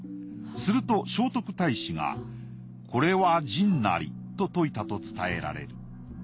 すると聖徳太子がこれは沈水なりと説いたと伝えられる。